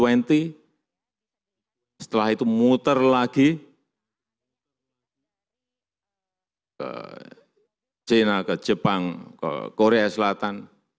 sebelumnya dengan g dua puluh setelah itu muter lagi ke china ke jepang ke korea selatan